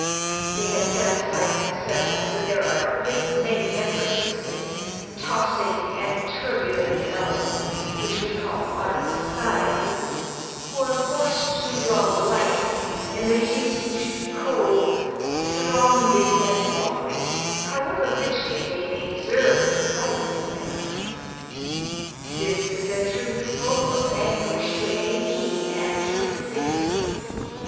They had satisfied themselves that there are a great many members of this tossing and turbulent element which we call modern society who are forced to draw blanks in the huge, cold, throng beset lottery, however richly they may deserve prizes there. This is a truth fiiU of anguish to any keen and true thinker.